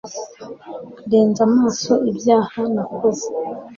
Renza amaso ibyaha nakoze